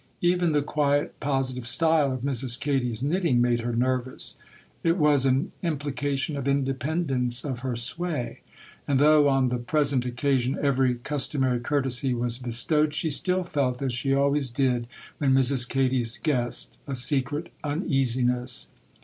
Even the quiet positive style of Mrs. Katy's knitting made her nervous; it was an implication of independence of her sway; and though on the present occasion every customary courtesy was bestowed, she still felt, as she always did when Mrs. Katy's guest, a secret uneasiness.